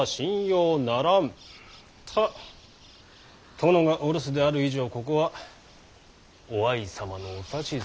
殿がお留守である以上ここは於愛様のお指図。